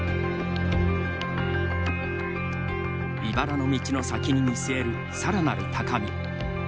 いばらの道の先に見据えるさらなる高み。